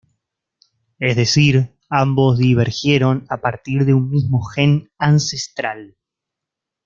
Es decir, ambos divergieron a partir de un mismo gen ancestral.